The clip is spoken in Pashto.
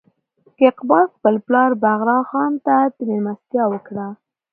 کیقباد خپل پلار بغرا خان ته مېلمستیا وکړه.